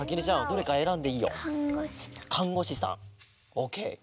オーケー。